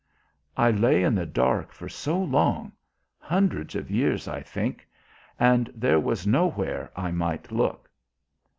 "I lay in the dark for so long hundreds of years, I think and there was nowhere I might look.